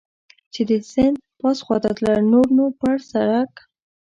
چې د سیند پاس خوا ته تلل، نور نو پر سړک.